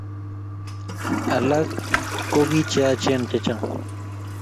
alak ko kii cheyachen chechang